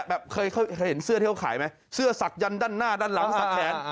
แบบเคยเห็นเสื้อที่เขาขายไหมเสื้อศักดันด้านหน้าด้านหลังสักแขน